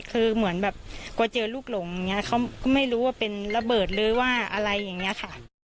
คือเหมือนแบบกลัวเจอลูกหลงอย่างนี้เขาก็ไม่รู้ว่าเป็นระเบิดหรือว่าอะไรอย่างนี้ค่ะ